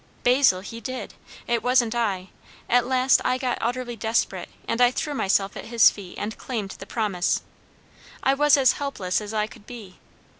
"Basil, he did. It wasn't I. At last I got utterly desperate, and I threw myself at his feet and claimed the promise. I was as helpless as I could be.